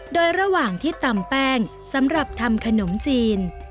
โดยระหว่างที่ตำแป้งสำหรับทำขนมจีน